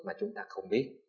mà chúng ta không biết